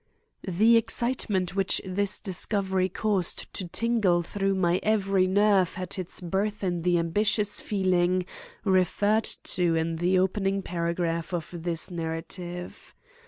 _ The excitement which this discovery caused to tingle through my every nerve had its birth in the ambitious feeling referred to in the opening paragraph of this narrative.